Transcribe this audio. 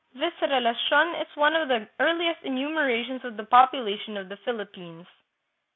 This Relacidn is one of the earliest enumerations of the population of the Philippines.